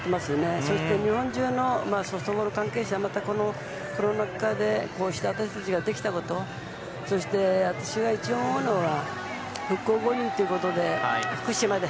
そして、日本中のソフトボール関係者また、このコロナ禍でこうしたことができたこと私が一番思うのが復興五輪ということで福島で。